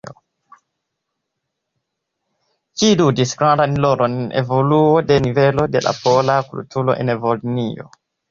Ĝi ludis grandan rolon en evoluo de nivelo de la pola kulturo en Volinio.